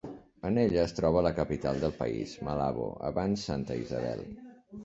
En ella es troba la capital del país, Malabo abans Santa Isabel.